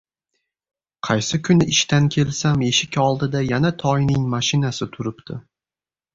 Qaysi kuni ishdan kelsam, eshik oldida yana Toyning mashinasi turibdi.